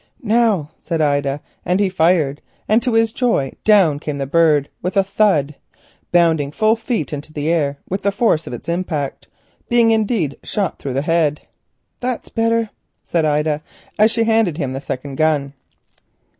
"Now," said Ida, and he fired, and to his joy down came the bird with a thud, bounding full two feet into the air with the force of its impact, being indeed shot through the head. "That's better," said Ida, as she handed him the second gun.